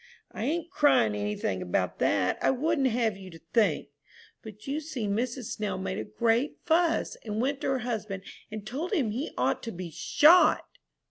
"I ain't crying any thing about that, I wouldn't have you to think! But you see Mrs. Snell made a great fuss, and went to her husband and told him he ought to be shot."